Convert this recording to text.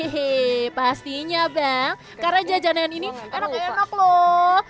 hei pastinya bang karena jajanan ini enak enak loh